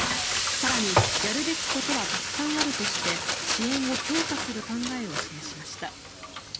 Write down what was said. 更に、やるべきことはたくさんあるとして支援を強化する考えを示しました。